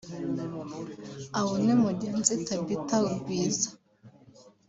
Abo ni Mugenzi Thabita Gwiza